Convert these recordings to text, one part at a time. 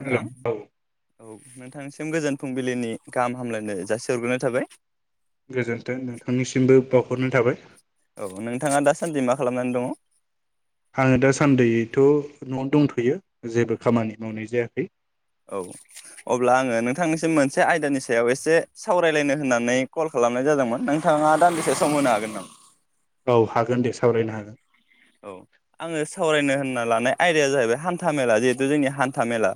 नोंथां हेलौ औ औ नोंथां सि सिम गोजोन फुंबिलिनि गाहाम हामलायनाय जासिहरग्रोनाय थाबाय। गोजोन्थों नोंथांनिसिमबो बावहरनाय थाबाय। औ नोंथाङा दासान्दि मा खालामनानै दङ? आङो दासान्दैथ' न'आवनो दंथ'यो जेबो खामानि मावनाय जायाखै। औ अब्ला आङो नोंथांनिसिम मोनसे आयदानि सायाव एसे सावरायलायनो होननानै कल खालामनाय जादोंमोन। नोंथाङा दानदिसे सम होनो हागोन नामा? औ हागोन दे सावरायनो हागोन। औ आङो सावरायनो होनना लानाय आयदाया जाहैबाय हान्था मेला। जिहेथु जोंनि हान्था मेला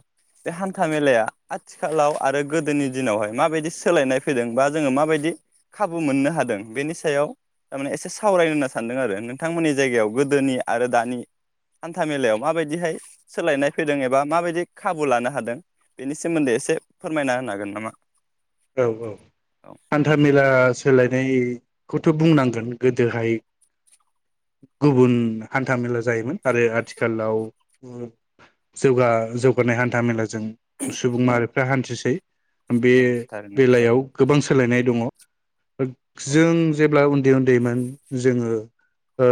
बे हान्था मेलाया आथिखालाव आरो गोदोनि दिनावहाय माबायदि सोलायनाय फैदों। बा जोङो माबायदि खाबु मोननो हादों। बेनि सायाव थारमाने एसे सावरायनो होनना सानदों आरो नोंथांमोननि जायगायाव गोदोनि आरो दानि हान्था मेलायाव माबायदिहाय सोलायनाय फैदों एबा माबायदि खाबु लानो हादों। बेनि सोमोन्दै एसे फोरमायना होनो हागोन नामा? औ औ औ हान्थाामेला सोलायनाय खौथ' बुंनांगोन गोदोहाय गुबुन हान्थामेला जायोमोन आरो आथिखालाव जौगा जौगानाय हान्था मेला जों सुबुं माहारि दा हान्थिसै। बे औ थारैनो बेलायाव गोबां सोलायनाय दङ। औ जों जेब्ला उन्दै उन्दैमोन जोङो ओ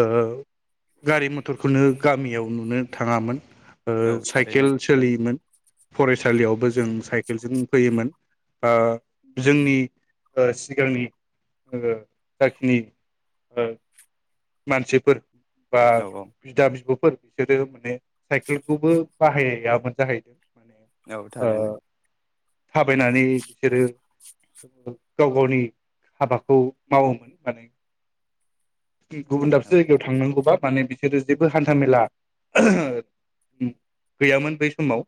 गारि मथरखौनो गामियाव नुनो थाङामोन ओ औ थारैनो साइकेल सोलियोमोन। फरायसालियावबो जों साइकेलजों फैयोमोन। ओ जोंनि ओ सिगांनि ओ जाखिनि ओ मानसिफोर बा औ बिदा बिब'फोर बिसोरो माने साइकेलखौबो बाहायामोन जाहैदों। औ औ माने थारैनो ओ थाबायनानै सोरो गाव गावनि हाबाखौ मावोमोन माने। गुबुन दाबसे औ जायगायाव थांनांगौबा माने बि [unintelligible] जेबो हान्थामेला गैयामोन बै समाव।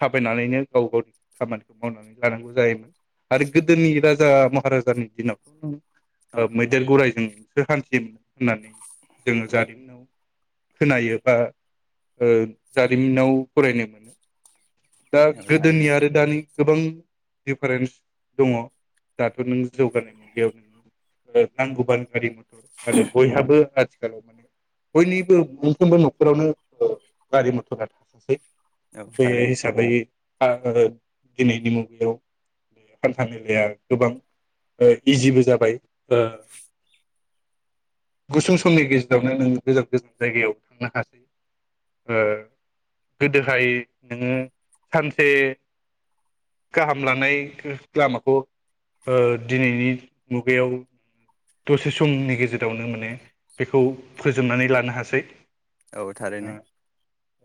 थाबायनानैनो गाव गावनि खामानिखौ मावनानै लानांगौ जायोमोन आरो गोदोनि राजा महाराजानि दिनावथ' नों ओ औ मैदेर, गराइजों सो हान्थियोमोन होननानै जोङो जारिमिनाव खोनायो बा ओ जारिमिनाव फरायनो मोनो। दा औ गोदोनि थारैनो आरो दानि गोबां दिफारेन्स दङ'। दाथ' नों जौगानाय मुगायाव नोङो नांगौबानो [unintelligible] आरो बयहाबो आजि खालाव माने बयनिबो मोनफ्रोमबो न'खरावनो गारि मथरा थाखासै। औ बे थारैनो हिसाबै [unintelligible] दिनैनि मुगायाव बे हान्था मेलाया गोबां ओ इजिबो जाबाय ओ गुसुं समनि गेजेरावनो नों गोजान गोजान जायगायाव थांनो हासै। ओ गोदोहाय नोङो सानसे गाहाम [unintelligible] लामाखौ ओ दिनैनि मुगायाव दसे समनि गेजेरावनो माने बेखौ फोजोबनानै लानो हासै। औ थारैनो।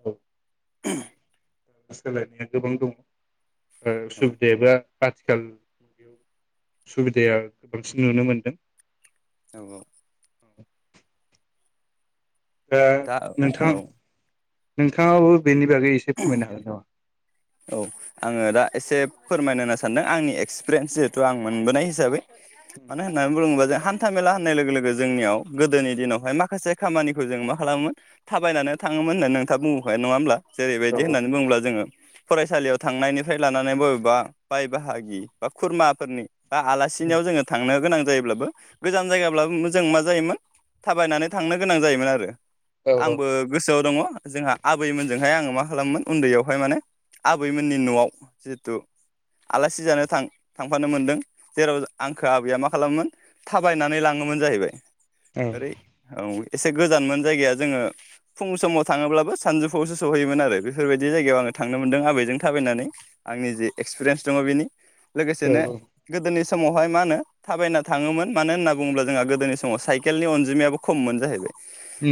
औ [inaudible] सोलायनाया गोबां दङ'। ओ औ सु आथिखाल मुगायाव सुबिदाया बांसिन नुनो मोनदों। औ औ दा नोंथां औ नोंथाङाबो बेनि बागै एसे फोरमायनो हागोन नामा? औ आङो दा एसे फोरमायनो होनो सानदों आंनि एक्सपिरियेन्स जिहेथु आं मोनबोनाय हिसाबै। मानो होननानै बुङोबा जा हान्था मेला होननाय लोगो लोगो जोंनियाव गोदोनि दिनावहाय माखासे खामानिखौ जों मा खालामोमोन थाबायनानै थाङोमोन होननानै नोंथाङा बुंबोखाबाय नङा होमब्ला औ जेरैबायदि होननानै बुङोब्ला जोङो फरायसालियाव थांनायनिफ्राय लानानै बबेबा बाय बाहागि बा खुरमाफोरनि बा आलासिनियाव जोङो थांनो गोनां जायोब्लाबो गोजान जायगाब्लाबो जों मा जायोमोन थाबायनानै थांनो गोनां जायोमोन आरो औ आंबो गोसोआव दङ'। जोंहा आबैमोनजोंहाय आङो मा खालामोमोन उन्दैयावहाय माने आबैमोननि न'आव जिहेथु आलासि जानो थां -थांफानो मोनदों जेराव आंखो आबैया मा खालामोमोन थाबायनानै लाङोमोन जाहैबाय। ओरै औ औ एसे गोजानमोन जायगाया जोङो फुं समाव थाङोब्लाबो सानजौफुआवसो सहैयोमोन आरो बेफोरबायदि जायगायाव आङो थाङो नो मोनदों आबैजों थाबायनानै आंनि जि एक्सपिरियेन्स दङ बिनि औ लोगोसेनो गोदोनि समावहाय मा होनो थाबायना थाङोमोन मानो होनना बुङोब्ला जोंहा गोदोनि समाव साइकेलनि अनजिमायाबो खममोन जाहैबाय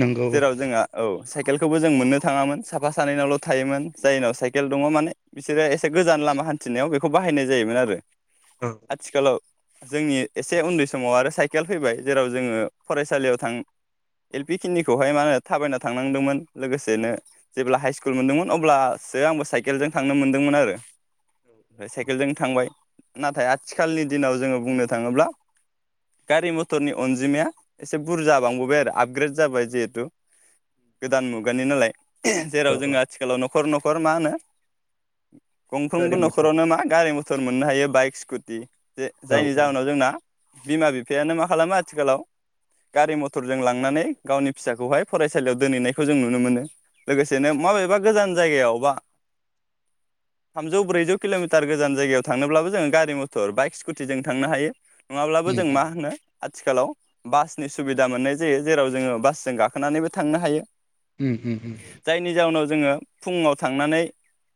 नंगौ जेराव औ जोंहा औ साइकेलखौबो जों मोननो थाङामोन साफा सानैनावल' थायोमोन जायनाव साइेल केल दङ माने बिसोरो एसे गोजान लामा हान्थिनायाव बेखौ बाहायनाय जायोमोन आरो आथिखालाव जोंनि एसे उन्दै समाव आरो साइ केल फैबाय जेराव जोङो फरायसालियाव थां एल पि खिनिखौहाय मा होनो थाबायना थांनांदोंमोन लोगोसेनो जेब्ला हाइ स्कुल मोनदोंमोन अब्ला आंबो साइकेलजों थांनो मोनदोंमोन आरो साइकेलजों थांबाय नाथाय आथिखालनि दिनाव जोङो बुंनो थाङोब्ला गारि मथरनि अनजिमाया एसे बुरजा बांबोबाय आरो आपग्रेड जाबाय जिहेथु गोदान मुगानि नालाय औ जेराव औ जोङो आथिखालाव न'ख खर न मा होनो गारि गंफ्रोमबो मथर न'खरावनो मा गारि मथर सोर मोननो हायो बाइक स्कुटि जे औ जायनि जाहोनाव जोंना बिमा बिफायानो मा खालामो आथिखालाव गारि मथरजों लांनानै गावनि फिसाखौहाय फरायसालियाव दोनहैनायखौ जों नुनो मोनो लोगोसेनो माबेबा गोजान जायगायाव बा थामजौ ब्रैजौ किल'मिटार गोजान जायगायाव थांनोब्लाबो जोङो गारि मथर बाइक स्कुटि जों थांनो हायो नङाब्लाबो जों उम मा होनो आथिखालाव बासनि सुबिदा मोननाय जायो जेराव जोङो बासजों गाखोनानैबो थांनो हायो। उम उम उम जायनि जाउनाव जोङो फुङाव थांनानै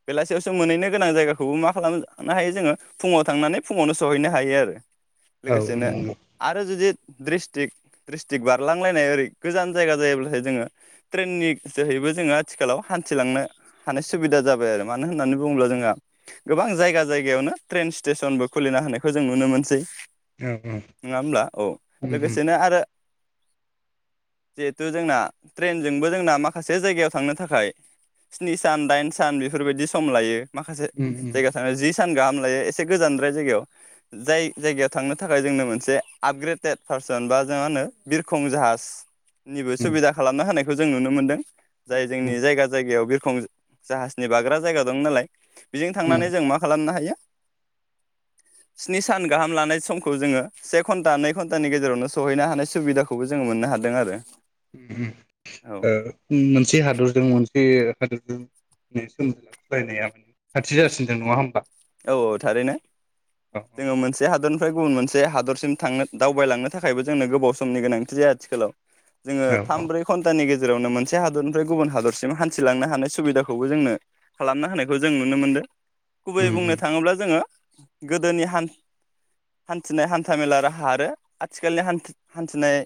बेलासियावसो मोनहैनो गोनां जायगाखौबो मा खालामनो हायो जोङो फुङाव थांनानै फुङावनो सहैनो हायो आरो औ लोगोसेनो नंगौ आरो जुदि डिस्ट्रिक डिस्ट्रिक बारलांलायनाय ओरै गोजान जायगा जायोब्लाथायाय जोङो ट्रेननि जोहैबो जोङो आथिखालाव हानथिलांनो हानाय सुबिदा जाबाय आरो मानो होननानै बुङोब्ला जोंहा गोबां जायगा जायगायावनो ट्रेन स्टेसनबो खुलिना होनायखौ जों नुनो मोनसै औ नङा होमब्ला औ उम लोगोसेनो आरो जिहेथु जोंना ट्रेनजोंबो जोंना माखासे जायगायाव थांनो थाखाय स्नि सान दाइन सान बेफोरबायदि सम लायो माखासे उम उम जायगा थाङो जि सान गाहाम दायो एसे गोजानद्राय जायगायाव जाय जायगायाव थांनो थाखाय जोंनो मोनसे आपग्रेडेड पार्सन बा जों मा होनो बिरखं जाहाज निबो उम सुबिदा खालामना होनाय खौ जों नुनो मोनदों जाय उम जोंनि जायगा जायगायाव बिर खं जाहाजनि बाग्रा जायगा दं नालाय बेजों उम थांनानै जों मा खालामनो हायो स्नि सान गाहाम लानाय समखौ जोङो से घनटा नै घनटानि गेजेरावनो सहैनो हानाय सुबिदाखौबो जोङो मोननो हादों आरो उ औ ओ उम मोनसे हादरजों मोन बे हादरजों [inaudible] खाथि जासिनदों नङा होमबब्ला। औ औ थारैनो जोङो औ मोनसे हादर ओमफ्राय गुबुन मोनसे हादरसिम थांनो दावबायलांनो थाखायबो जोंनो गोबाव समनि गोनांथि जाया आथिखालाव। जोङो थाम औ औ ब्रै घन्टानि गे जेरावनो मोनसे हादरनिफ्राय गुबुन हादरसिम हान्थिलांनो हानाय सुबिदाखौबो जोंनो खालामना होनायखौ जों नुनो मोनदों। गुबैयै उम बुंनो उम थाङोब्ला जोङो गोदोनि हानथिनाय हानथा मेला राहा आरो हा आरो आथिखालनि हानथिनाय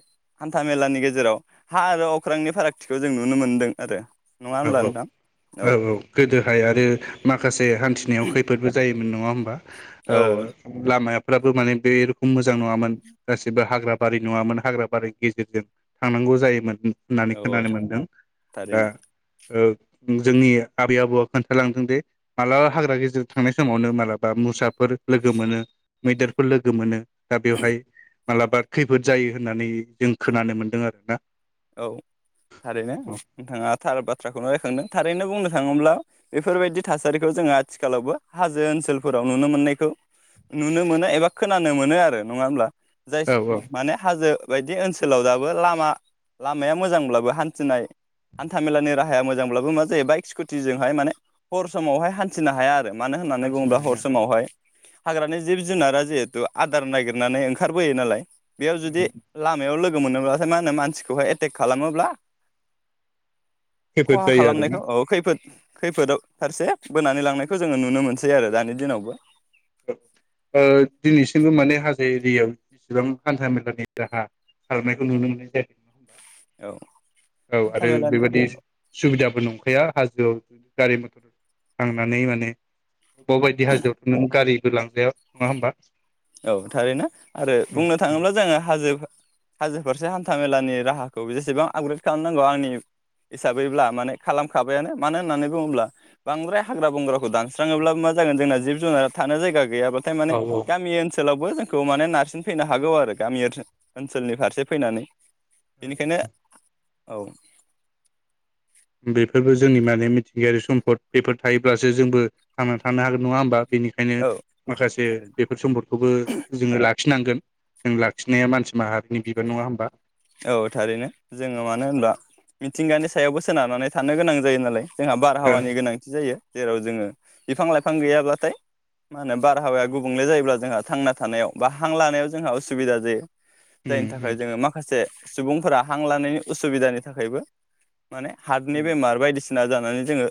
हानथा मेलानि गेजेराव हा आरो अख्रांनि फारागथिखौ जों नुनो मोनदों आरो नङा औ होमब्ला औ नोंथां औ औ गोदोहाय आरो माखासे हानथिनायाव खैफोदबो जायो नङा होनबा ओ औ लामाया लामाफ्राबो माने बे मोजां नङामोन गासिबो हाग्रा बारि नङामोन हाग्रा बारिनि गेजेरजों थांनांगौ जायोमोन होननानै औ औ खोनानो मोनदों दा थारैनो जोंनि आबै आबौआ खोन्थालांदों दिे मालाबा हाग्रा गेजेर थांनाय समावनो मालाबा मोसाफोर लोगो मोनो मैदेरफोर लोगो मोनो दा बेवहाय मालाबा खैफोद जायो होननानै जों खोनानो मोन्दों आरोना औ थारैनो नोंथाङा थार बाथ्राखौनो रायखांदों थारैनो बुंनो थाङोब्ला बेफोरबायदि थासारिखौ जोङो आथिखालावबो हाजो ओनसोलफोराव नुनो मोननायखौ नुनो मोनो एबा खोनानो मोनो आरो नङा होमब्ला जाय औ औ माने हाजो बेबायदि ओनसोलाव दाबो लामा लामाया मोजांब्लाबो हान्थिनाय हान्थाामेलानि राहाया मोजांब्लाबो मा जायो बाइक स्कुटिजोंहाय माने हर समावहाय हान्थिनो हाया आरो मानो होननानै हान्थिनो बुङोब्ला हर हाया औ समावहाय हाग्रानि जिब जुनारा जिहेथु आदार नागिरनानै ओंखारबोयो नालाय बेयाव जुदि लामायाव लोगो लोगो मोनोब्लाथाय मा होनो मानसिखौ खौहाय एटेक खालामोब्ला खैफोद खहा जायो आरोना खालामनायखौ औ खैफोद खैफोदाव फारसे बोनानै लांनायखौ जोङो नुनो मोनसै आरो दानि दिनावबो दिनैसिमबो माने हाजो एरियायाव जिसिबां हान्था मेलानि राहा खालामारनायखौ नुनो मोननाय जादों नङा होमबा औ औ हान्था आरो मेलानि बेबायदि सुबिदा बो नंखाया हाजोआव गारि मथर थांनानै माने बबेबा बायदि हाजोआवथ' नों गारिबो लांजाया नङा होमबा? औ थारैनो आरो बुंनो थाङोब्ला जोङो हाजो हाजो फारसे हान्था मेलानि राहाखौ जेसेबां आपग्रेड खालामनांगौ आंनि हिसाबैब्ला माने खालामखाबायानो मानो होननानै बुङोब्ला बांद्राय हाग्रा बंग्राखौ दानस्राङोब्ला मा जागोन जोंना जिब जुनारा थानो जायगा गैयाबाथाय माने औ औ गामि ओन सोलावबो जोंखौ माने नारसिन फैनो हागौ आरो गामि ओनसोल ओनसोलनि फारसे फैनानै। बेनिखायनो औ। बेफोरबो जोंनि माने मिथिंगायारि सम्पद बेफोर थायोब्लासो जोंबो थांना थानो हागोन नङा होमबा? बेनिखायनो औ माखासे थारै बेफोर सम्पदखौबो जोङो ला खिनांगोन जों लाखिनाया मानसि माहारिनि बिबान नङा होमबा? औ थारैनो जोङो मानो होनबा मिथिंगानो सायावबो सोनारनानै थानो गोनां जायो नालाय। जोंहा ओ बारहावानि गोनांथि जायो। जेराव जोङो बिफां लाइफां गैयाब्लाथाय मा होनो बारहावाया गुबुंले जायोब्ला जोंहा थांना थानायाव बा हां लानायाव जोंहा उसुबिदा जायो। जायनि उम थाखाय उम जोङो मा से सुबुंफोरा हां लानायनि उसुबिदानि थाखायबो माने हार्टनि बेमार बायदिसि ना जानानै जोङो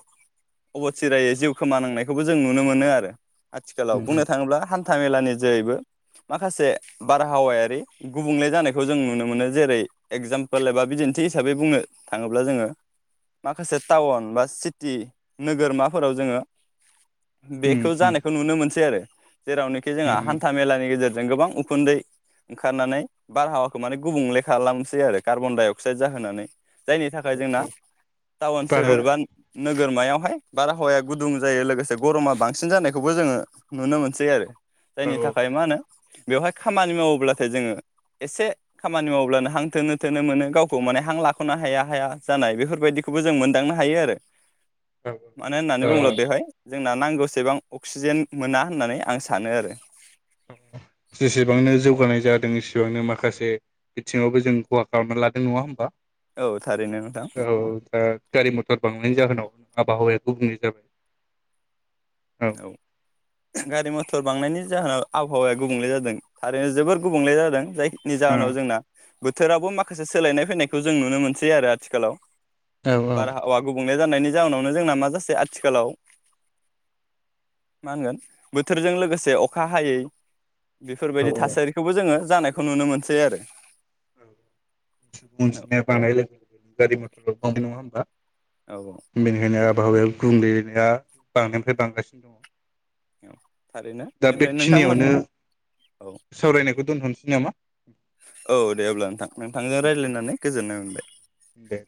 अब'थिरायै जिउ खोमानांनायखौबो जों नुनो मोनो आरो। आथिखालाव उम बुंनो उम थाङोब्ला हान था मेलानि जोहैबो माखासे बारहावायारि गुबुंले जानायखौ जों नुनो मोनो जेरै एगजामपोल एबा बिदिन्थि हिसाबै बुंनो थाङोब्ला जोङो माखासे टाउन बा सिटि नोगोरमाफोराव जोङो बेखौ उम जानायखौ नुनो मोनसै आरो। जेरावनोखि उम जोंहा उम हान्था मेलानि गेजेर जों गोबां उखुन्दै ओंखारनानै बारहावाखौ माने गुबुंले खालामसै आरो कार्बन डाइ अक्साइड जाहोनानै। जायनि थाखाय जोंना टाउन सोहोर बारहावा बा नो गोरमायावहाय बारहावाया गुदुं जायो लोगोसे गरमा बांसिन जानायखौबो जोङो नुनो मोनसै आरो। औ जायनि थाखाय मा होनो बेवहाय खामानि मावोब्लाथाय जोङो एसे खामानि मावब्लानो हां थोनो थोनो मोनो गावखौ माने हां लाख'नो हाया हाया जानाय बेफोरबायदिखौबो जों मोनदांनो हायो आरो। औ मानो होननानै बुङोब्ला ओ बेहाय जोंना नांगौसेबां अक्सिजेन मोना होननानै आं सानो आरो। जेसेबांनो जौगानाय जादों एसेबांनो माखासे बिथिङावबो जों खहा खालामना लादों नङा होमबा? औ थारैनो नोंथां औ दा गारि मथर बांनायनि जाहोनाव आबहावाया [unintelligible] औ गारि मथर बांनायनि जाहोनाव आबहावाया गुबुंले जादों आरो जोबोर गुबुंले जादों जायखनि जाहोनाव जोंना बोथोरावबो माखासे सोलायनाय फैनायखौ जों नुनो मोनसै आरो आथिखालाव। औ बारहावा गुबुंले जानायनि जाउनावनो जोंना माजासै आथिखालाव मा होनगोन बोथोरजों लोगोसे अखा हायै बेफोरबायदि औ थासारिखौबो जोङो जानायखौ नुनो मोनसै आरो। [unintelligible] [unintelligible] औ नङा होमब्ला? औ बेनिखायनो औ आबहावा गुबुंलेनाया बांनायनिफ्राय बांगासिनो दङ। औ थारैनो दा बेनिफ्राय नोंथांमोन बेखिनियावनो औ सावरायनायखौ दोनथ'नोसै नामा औ दे अब्ला नोंथां नोंथांजों रायज्लायनानै गोजोननाय मोनबाय। दे